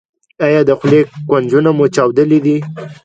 ایا د خولې کنجونه مو چاودلي دي؟